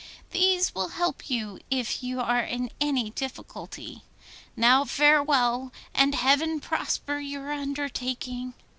These will help you if you are in any difficulty. Now farewell, and heaven prosper your undertaking.